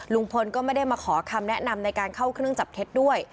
ลุงพลก็ไม่ได้มาขอคำแนะนำในการเข้าเครื่องจับเท็จด้วย